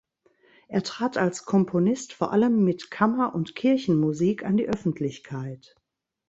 Er trat als Komponist vor allem mit Kammer- und Kirchenmusik an die Öffentlichkeit.